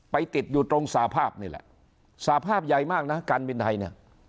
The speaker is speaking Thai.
ติดอยู่ตรงสภาพนี่แหละสภาพใหญ่มากนะการบินไทยเนี่ย